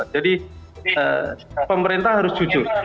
jadi pemerintah harus jujur